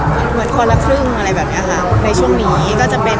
เหมือนคนละครึ่งอะไรแบบเนี้ยค่ะในช่วงนี้ก็จะเป็น